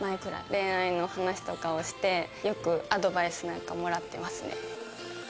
恋愛の話とかをしてよくアドバイスなんかもらってますね。